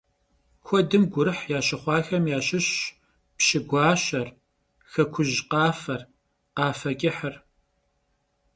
Kuedım gurıh yaşıxhuaxem yaşışş Pşı guaşer, Xekuj khafer, Khafe ç'ıhır.